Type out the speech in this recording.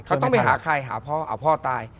เขาต้องไปหาใครหาพ่อหาพ่อตาย